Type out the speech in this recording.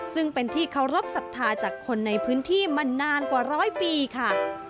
ซึ่งเป็นที่เคารพสัทธาจากคนในพื้นที่มานานกว่าร้อยปีค่ะ